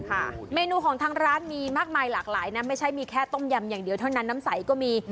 เมนูของทางร้านมีมากมายหลากหลายนะไม่ใช่มีแค่ต้มยำอย่างเดียวเท่านั้นน้ำใสก็มี